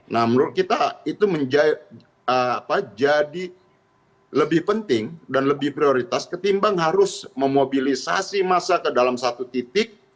nah menurut kita itu menjadi lebih penting dan lebih prioritas ketimbang harus memobilisasi masa ke dalam satu titik